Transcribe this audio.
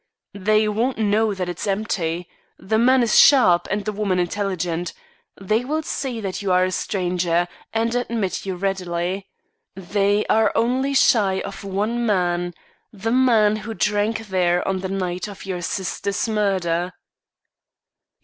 They won't know that it's empty. The man is sharp and the woman intelligent. They will see that you are a stranger, and admit you readily. They are only shy of one man the man who drank there on the night of your sister's murder."